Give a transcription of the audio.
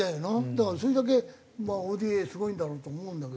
だからそれだけＯＤＡすごいんだろうと思うんだけど。